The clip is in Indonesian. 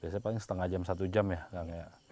biasanya paling setengah jam satu jam ya kang ya